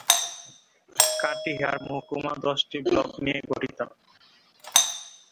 কাটিহার মহকুমা দশটি ব্লক নিয়ে গঠিত।